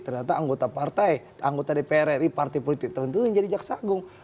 ternyata anggota partai anggota dpr ri partai politik tertentu yang jadi jaksa agung